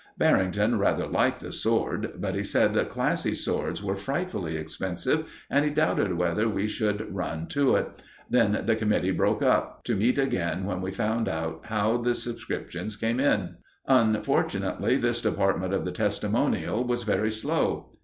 Barrington rather liked the sword; but he said classy swords were frightfully expensive, and he doubted whether we should run to it. Then the committee broke up, to meet again when we found how the subscriptions came in. Unfortunately, this department of the testimonial was very slow.